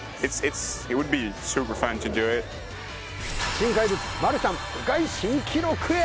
新怪物マルシャン世界新記録へ